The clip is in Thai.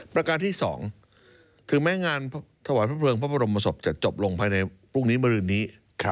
ประการที่๒ถึงแม้งานถวายพระเพลิงพระบรมศพจะจบลงภายในพรุ่งนี้มรืนนี้